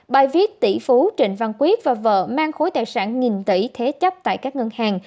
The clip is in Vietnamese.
bài viết tỷ phú trịnh văn quyết và vợ mang khối tài sản nghìn tỷ thế chấp tại các ngân hàng